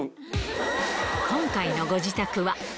今回のご自宅は。